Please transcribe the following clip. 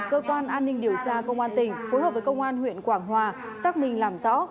cơ quan an ninh điều tra công an tỉnh phối hợp với công an huyện quảng hòa xác minh làm rõ